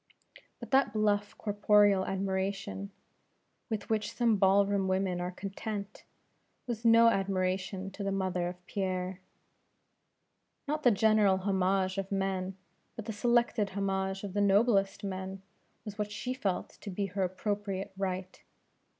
But that bluff corporeal admiration, with which some ball room women are content, was no admiration to the mother of Pierre. Not the general homage of men, but the selected homage of the noblest men, was what she felt to be her appropriate right.